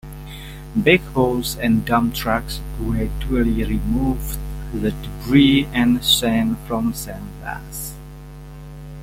Backhoes and dump trucks gradually removed the debris and sand from San Blas.